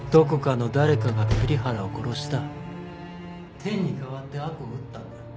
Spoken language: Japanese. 「天に代わって悪を討ったんだ」